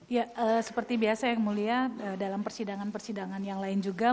ya seperti biasa yang mulia dalam persidangan persidangan yang lain juga